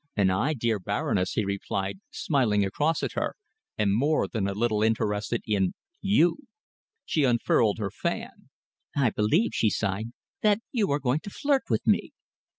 "And I, dear Baroness," he replied, smiling across at her, "am more than a little interested in you." She unfurled her fan. "I believe," she sighed, "that you are going to flirt with me."